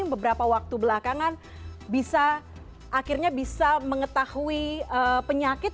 beberapa waktu belakangan bisa akhirnya bisa mengetahui penyakit